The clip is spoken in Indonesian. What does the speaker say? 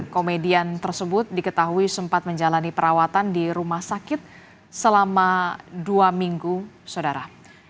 komedian tersebut diketahui sempat menjalani perawatan di rumah sakit selama dua minggu saudara